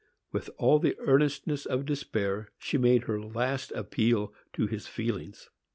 With all the earnestness of despair, she made her last appeal to his feelings.